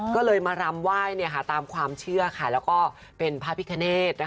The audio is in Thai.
ก็เลยมารำไหว้ตามความเชื่อแล้วก็เป็นพระพิคเนธ